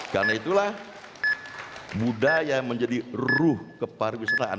karena itulah budaya menjadi ruh kepariwisataan